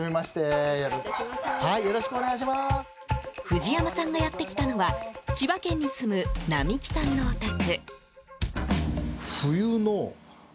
藤山さんがやってきたのは千葉県に住む波季さんのお宅。